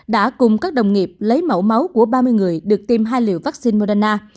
đã cùng các đồng nghiệp lấy mẫu máu của ba mươi người được tiêm hai liều vaccine moderna